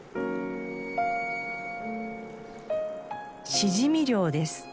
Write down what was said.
シジミ漁です。